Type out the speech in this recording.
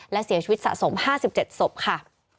และเสียชีวิตสะสม๕๗ศพค่ะ